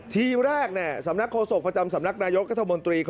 ทีแรกสำนักโฆษกประจำสำนักนายกรัฐมนตรี